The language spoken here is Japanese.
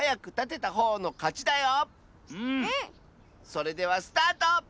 それではスタート！